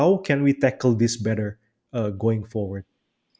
bagaimana kita bisa menangani ini dengan lebih baik